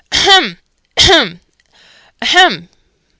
"Ahem! Ahem! Ahem!